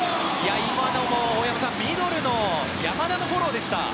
今のも、大山さんミドルの山田のフォローでした。